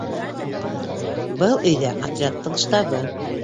Был өйҙә — отрядтың штабы.